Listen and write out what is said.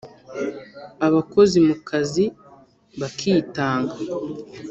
abakozi mu kazi bakitanga